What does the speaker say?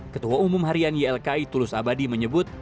ketua umum harian ylki tulus abadi menyebut